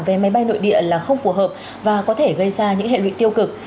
vé máy bay nội địa là không phù hợp và có thể gây ra những hệ lụy tiêu cực